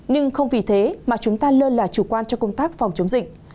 nhưng không vì thế mà chúng ta lơ là chủ quan cho công tác phòng chống dịch